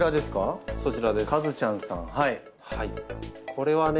これはね